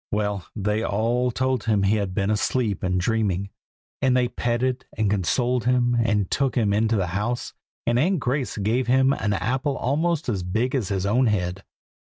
Well, they all told him he had been asleep and dreaming; and they petted and consoled him, and took him into the house, and Aunt Grace gave him an apple almost as big as his own head.